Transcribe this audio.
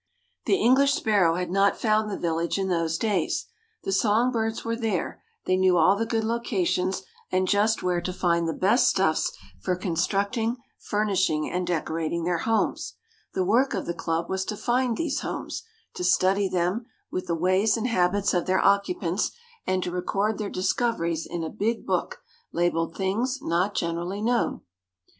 The English Sparrow had not found the village in those days; the song birds were there, they knew all the good locations and just where to find the best stuffs for constructing, furnishing and decorating their homes; the work of the club was to find these homes, to study them, with the ways and habits of their occupants, and to record their discoveries in a big book labeled, "Things Not Generally Known."